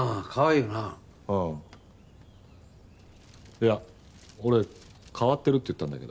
いや俺「変わってる」って言ったんだけど。